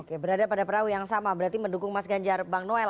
oke berada pada perahu yang sama berarti mendukung mas ganjar bang noel